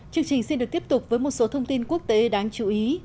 chương trình xin được tiếp tục với một số thông tin quốc tế đáng chú ý